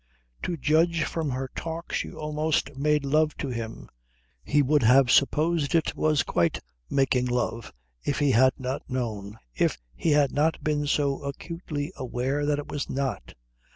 To judge from her talk she almost made love to him. He would have supposed it was quite making love if he had not known, if he had not been so acutely aware that it was not.